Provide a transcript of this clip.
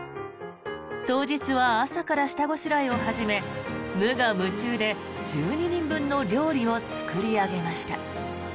当日は朝から下ごしらえを始め無我夢中で１２人分の料理を作り上げました。